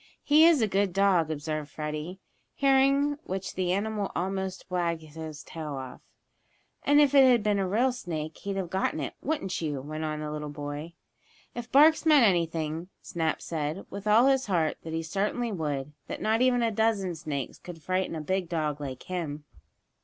"He is a good dog," observed Freddie, hearing which the animal almost wagged his tail off. "And if it had been a real snake he'd have gotten it; wouldn't you?" went on the little boy. If barks meant anything, Snap said, with all his heart, that he certainly would that not even a dozen snakes could frighten a big dog like him.